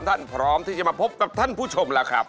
ของเรา๓ท่านพร้อมที่จะมาพบกับท่านผู้ชมแล้วครับ